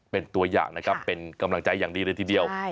เป็นตัวอย่างนะครับเป็นกำลังใจอย่างดีเลยทีเดียว